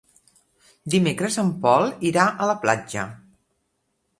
Dimecres en Pol irà a la platja.